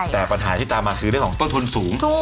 แต่ปัญหาที่ตามมาคือเรื่องของต้นทุนสูง